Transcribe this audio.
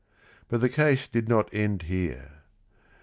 But the case did not end here.